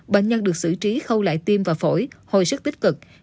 bệnh nhân được xử trí khâu lại tiêm và phổi hồi sức tích cực